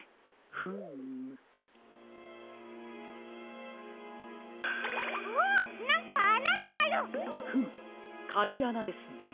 フムかぎあなですね。